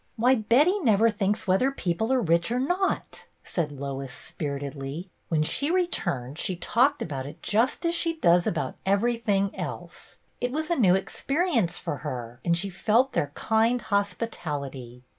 " Why, Betty never thinks whether people are rich or not," said Lois, spiritedly. " When she returned, she talked about it just as she does about everything else. It was a new experience for her, and she felt their kind hospitality.